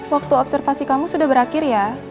waktu observasi kamu sudah berakhir ya